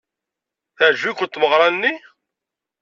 Teɛjeb-ikent tmeɣra-nni?